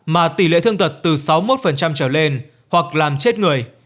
mà tỷ lệ thương tật từ sáu mươi một trở lên hoặc làm chết người